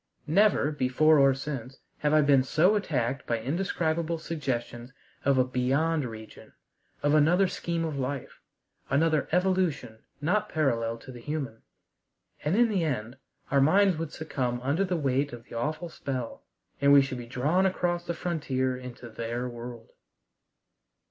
Never, before or since, have I been so attacked by indescribable suggestions of a "beyond region," of another scheme of life, another evolution not parallel to the human. And in the end our minds would succumb under the weight of the awful spell, and we should be drawn across the frontier into their world.